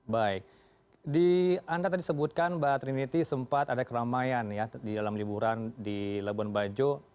baik di anda tadi sebutkan mbak trinity sempat ada keramaian ya di dalam liburan di labuan bajo